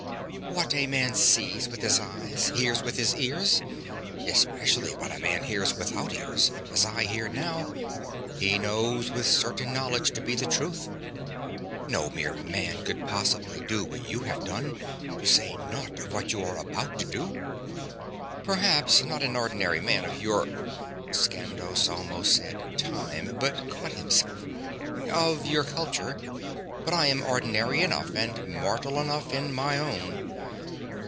"What a man sees with his eyes, hears with his ears especially what a man hears without ears, as I hear now he knows with certain knowledge to be the truth. No mere man could possibly do what you have done, to say naught of what you are about to do." "Perhaps not an ordinary man of your ..." Skandos almost said "time," but caught himself "... of your culture, but I am ordinary enough and mortal enough in my own."